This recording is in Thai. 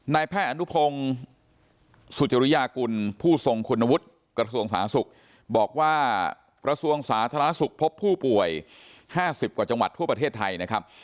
แพทย์อนุพงศ์สุจริยากุลผู้ทรงคุณวุฒิกระทรวงสาธารณสุขบอกว่ากระทรวงสาธารณสุขพบผู้ป่วย๕๐กว่าจังหวัดทั่วประเทศไทยนะครับ